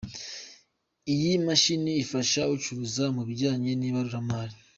Iyi mashini ifasha ucuruza mu bijyanye n’ibaruramari.